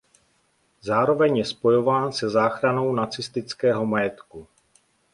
Zároveň je spojován se záchranou nacistického majetku.